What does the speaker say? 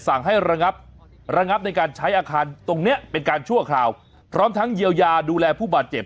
สั่งให้ระงับระงับในการใช้อาคารตรงนี้เป็นการชั่วคราวพร้อมทั้งเยียวยาดูแลผู้บาดเจ็บ